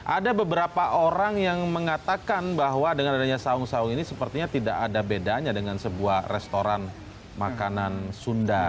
ada beberapa orang yang mengatakan bahwa dengan adanya saung saung ini sepertinya tidak ada bedanya dengan sebuah restoran makanan sunda